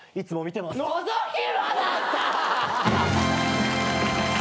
のぞき魔だった！